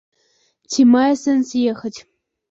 Ці мае сэнс ехаць?